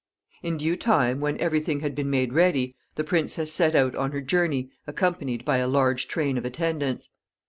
In due time, when every thing had been made ready, the princess set out on her journey, accompanied by a large train of attendants.